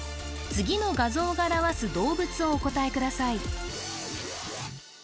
次の画像が表す動物をお答えください